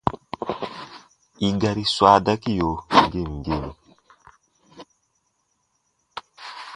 I gari swa dakiyo gem gem.